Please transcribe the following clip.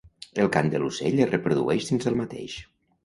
El cant de l'ocell es reprodueix dins el mateix.